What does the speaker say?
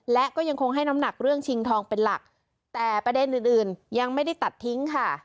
และก็ยังคงให้น้ำหนักเรื่องชิงทองเป็นหลักแต่ประเด็นอื่นอื่นยังไม่ได้ตัดทิ้งค่ะ